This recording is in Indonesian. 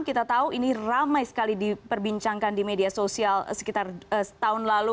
kita tahu ini ramai sekali diperbincangkan di media sosial sekitar tahun lalu